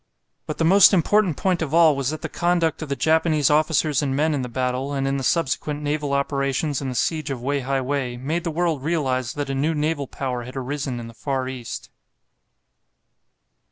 But the most important point of all was that the conduct of the Japanese officers and men in the battle, and in the subsequent naval operations in the siege of Wei hai wei, made the world realize that a new naval power had arisen in the Far East.